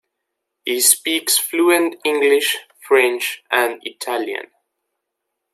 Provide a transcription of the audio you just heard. He speaks fluent English, French, and Italian.